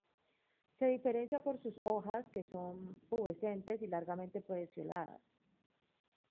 Se diferencia por sus hojas, que son pubescentes y largamente pecioladas.